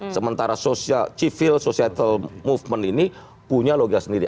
sementara civil societtle movement ini punya logika sendiri